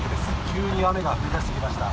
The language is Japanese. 急に雨が降り出してきました。